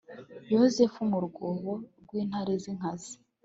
yosefu mu rwobo rw’intare zinkazi